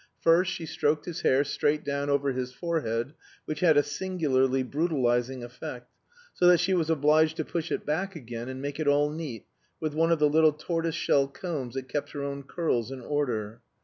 First, she stroked his hair straight down over his forehead, which had a singularly brutalizing effect, so that she was obliged to push it back again and make it all neat with one of the little tortoise shell combs that kept her own curls in order.